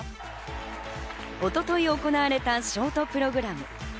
一昨日、行われたショートプログラム。